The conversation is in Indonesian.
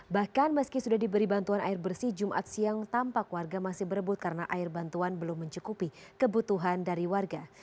bahkan meski sudah diberi bantuan air bersih jumat siang tampak warga masih berebut karena air bantuan belum mencukupi kebutuhan dari warga